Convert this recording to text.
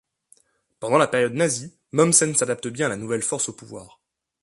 Pendant la période nazie, Mommsen s'adapte bien à la nouvelle force au pouvoir.